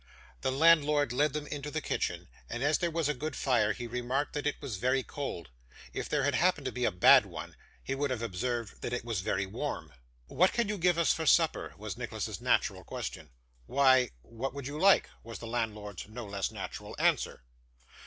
The landlord led them into the kitchen, and as there was a good fire he remarked that it was very cold. If there had happened to be a bad one he would have observed that it was very warm. 'What can you give us for supper?' was Nicholas's natural question. 'Why what would you like?' was the landlord's no less natural answer.